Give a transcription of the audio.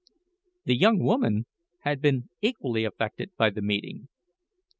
The young woman had been equally affected by the meeting.